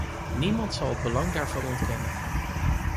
Niemand zal het belang daarvan ontkennen.